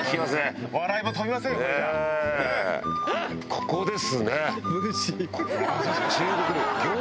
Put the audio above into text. ここですね。